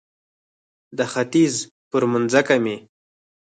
د ختیځ پر مځکه مې